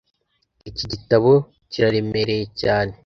Iki gitabo kiraremereye cyane.